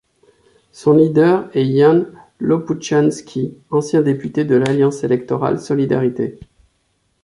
Son leader est Jan Łopuszański, ancien député de l'Alliance électorale Solidarité.